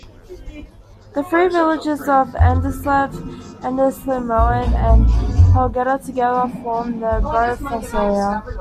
The three villages of Andselv, Andslimoen, and Heggelia together form the Bardufoss area.